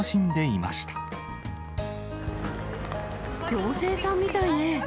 妖精さんみたいね。